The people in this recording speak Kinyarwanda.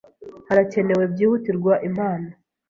Harakenewe byihutirwa impano.